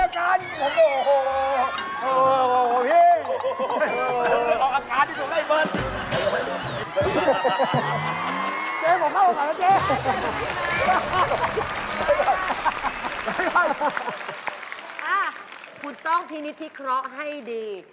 ครับคุณต้องที่นี้ที่คล็อกให้ดี